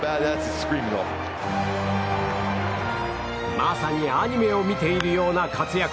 まさにアニメを見ているような活躍。